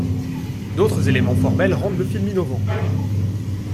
D’autres éléments formels rendent le film innovant.